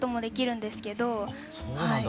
そうなんだ。